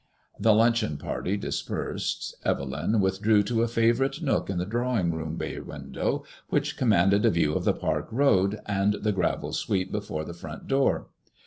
The luncheon party dispersed. Evelyn withdrew to a favourite nook in the drawing room bay window, which commanded a view of the Park Road, and the gravel sweep before the front door.